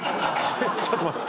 ちょっと待って。